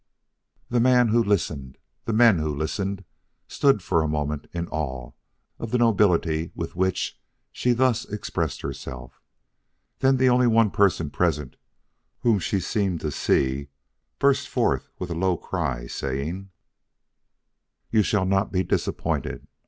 The man who listened the men who listened stood for a moment in awe of the nobility with which she thus expressed herself. Then the only person present whom she seemed to see burst forth with a low cry, saying: "You shall not be disappointed.